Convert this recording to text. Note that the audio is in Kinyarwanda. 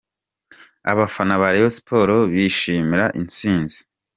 Abafana ba Rayon Sports bishimira intsinzi.